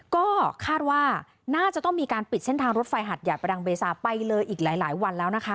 ก็คาดว่าน่าจะต้องมีการปิดเส้นทางรถไฟหัดใหญ่ประดังเบซาไปเลยอีกหลายวันแล้วนะคะ